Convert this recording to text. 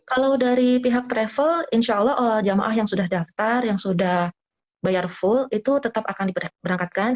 kalau dari pihak travel insya allah jemaah yang sudah daftar yang sudah bayar full itu tetap akan diberangkatkan